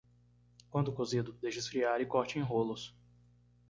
Quando cozido, deixe esfriar e corte em rolos.